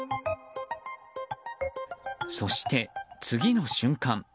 そして、次の瞬間。